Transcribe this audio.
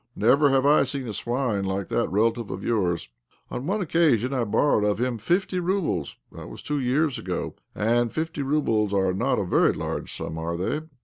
Never have I seen a swine like that relative of yours. On one occasion I borrowed of him^ fifty roubles. That was two years ago. And fifty roubles are not a very large sum, are they?